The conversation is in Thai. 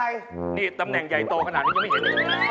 อย่าทำอย่างนี้ยังมีขานวด